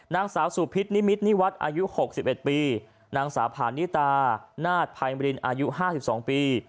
นางสาวสู่พิษนิมิตนิวัตรอายุหกสิบเอ็ดปีนางสาวผ่านนิตานาฏภัยมรินอายุห้าสิบสองปี